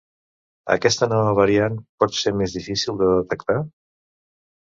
Aquesta nova variant pot ser més difícil de detectar?